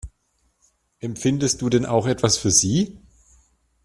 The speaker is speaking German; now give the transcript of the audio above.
Empfindest du denn auch etwas für sie?